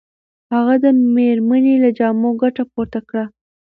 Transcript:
هغه د مېرمنې له جامو ګټه پورته کړه.